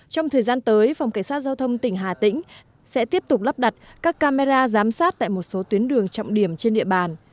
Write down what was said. trong thời gian tới phòng cảnh sát giao thông tỉnh hà tĩnh sẽ tiếp tục lắp đặt các camera giám sát tại một số tuyến đường trọng điểm trên địa bàn